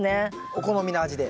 お好みの味で？